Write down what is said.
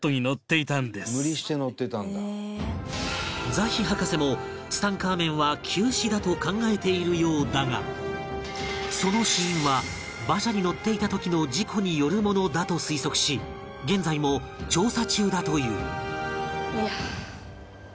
ザヒ博士もツタンカーメンは急死だと考えているようだがその死因は馬車に乗っていた時の事故によるものだと推測し現在も調査中だという